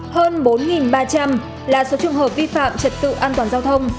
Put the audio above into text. hơn bốn ba trăm linh là số trường hợp vi phạm trật tự an toàn giao thông